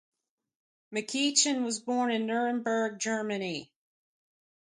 McEachin was born in Nuremberg, Germany.